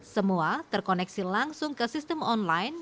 semua terkoneksi langsung ke sistem online